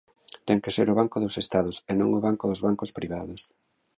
Ten que ser o Banco dos Estados e non o banco dos bancos privados.